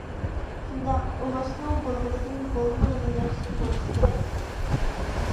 شۇنداق «ئۇماچ»نىڭ بولغىنىدىن بولمىغنى ياخشى بولسا كېرەك.